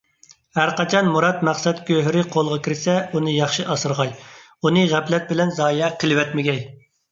ھەرقاچان مۇراد - مەقسەت گۆھىرى قولغا كىرسە، ئۇنى ياخشى ئاسرىغاي، ئۇنى غەپلەت بىلەن زايە قىلىۋەتمىگەي.